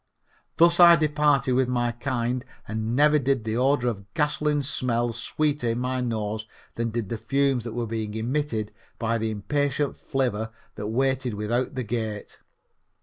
Thus I departed with my kind and never did the odor of gasoline smell sweeter in my nose than did the fumes that were being emitted by the impatient flivver that waited without the gate.